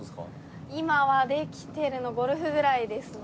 今はできてるのゴルフぐらいですね。